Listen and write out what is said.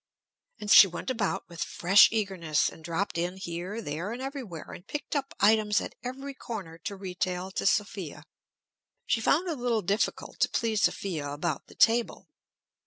And she went about with fresh eagerness, and dropped in here, there, and everywhere, and picked up items at every corner to retail to Sophia. She found it a little difficult to please Sophia about the table.